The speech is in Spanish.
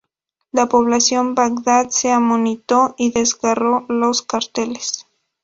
La población de Bagdad se amotinó y desgarró los carteles.